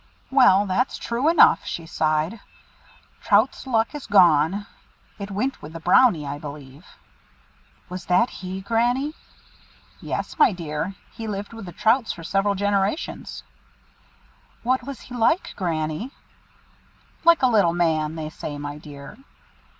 "Well, that's true enough," she sighed. "Trout's luck is gone; it went with the Brownie, I believe." "Was that he, Granny?" "Yes, my dear, he lived with the Trouts for several generations." "What was he like, Granny?" "Like a little man, they say, my dear."